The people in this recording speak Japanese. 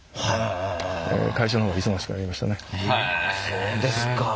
そうですか。